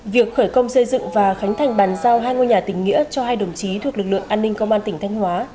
việc khởi công xây dựng và khánh thành bàn giao hai ngôi nhà tỉnh nghĩa cho hai đồng chí thuộc lực lượng an ninh công an tỉnh thanh hóa